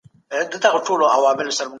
سیاستوال چیري د بندیانو حقونه څاري؟